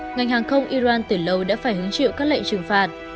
ngành hàng không iran từ lâu đã phải hứng chịu các lệnh trừng phạt